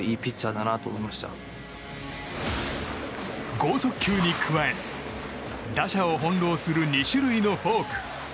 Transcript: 豪速球に加え、打者を翻弄する２種類のフォーク。